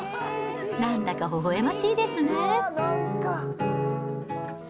なんだかほほえましいですね。